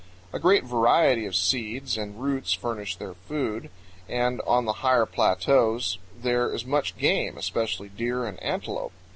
A great variety of seeds and roots furnish their food, and on the higher plateaus there is much game, especially deer and antelope.